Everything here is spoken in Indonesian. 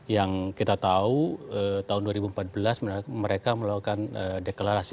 yang kita tahu tahun dua ribu empat belas mereka melakukan deklarasi